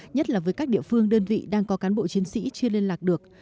nhất là với các địa phương đơn vị đang có cán bộ chiến sĩ chưa liên lạc được